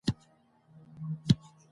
راپور مه هېروه.